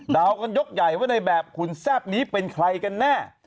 กันยกใหญ่ว่าในแบบขุนแซ่บนี้เป็นใครกันแน่